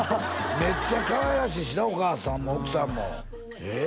めっちゃかわいらしいしなお母さんも奥さんもええ？